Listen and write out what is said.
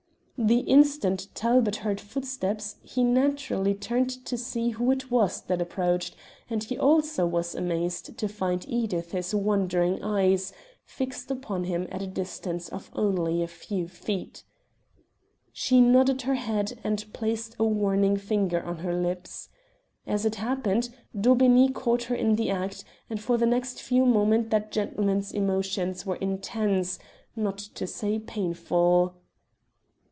The instant Talbot heard footsteps he naturally turned to see who it was that approached, and he also was amazed to find Edith's wondering eyes fixed upon him at a distance of only a few feet. She nodded her head and placed a warning finger upon her lips. As it happened, Daubeney caught her in the act, and for the next few moments that gentleman's emotions were intense, not to say painful.